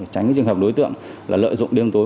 tránh trường hợp đối tượng lợi dụng đêm tối